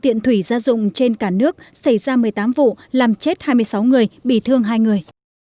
tiện thủy gia dụng trên cả nước xảy ra một mươi tám vụ làm chết hai mươi sáu người bị thương hai người